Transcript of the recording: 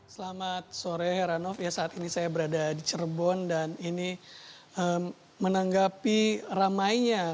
selamat sore heranov ya saat ini saya berada di cirebon dan ini menanggapi ramainya